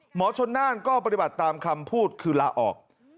หมอชนน่านก็ปฏิบัติตามคำพูดคือลาออก